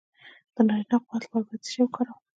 د نارینه قوت لپاره باید څه شی وکاروم؟